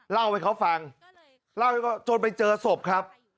เล่าให้เขาฟังเล่าให้เขาจนไปเจอศพครับ